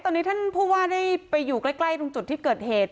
ตอนนี้ท่านผู้ว่าได้ไปอยู่ใกล้ตรงจุดที่เกิดเหตุ